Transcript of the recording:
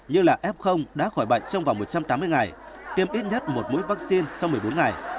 như là f đã khỏi bệnh trong vòng một trăm tám mươi ngày tiêm ít nhất một mũi vaccine sau một mươi bốn ngày